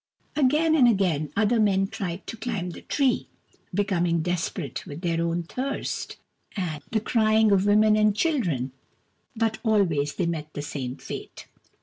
Again and again other men tried to climb the tree, becoming desperate with their own thirst and S.A.B. P 226 KUR BO ROO, THE BEAR the crying of the women and children ; but always they met the same fate.